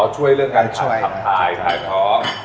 อ๋อช่วยเรื่องการถับถ่ายถ่ายท้อง